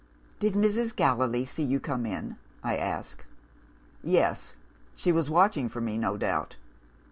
"'Did Mrs. Gallilee see you come in?' I asked. "'Yes. She was watching for me, no doubt.